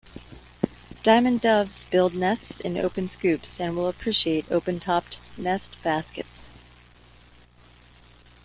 Diamond doves build nests in open scoops, and will appreciate open-topped nest baskets.